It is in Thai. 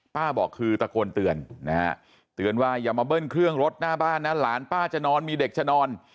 บอกคือตะโกนเตือนนะฮะเตือนว่าอย่ามาเบิ้ลเครื่องรถหน้าบ้านนะหลานป้าจะนอนมีเด็กจะนอน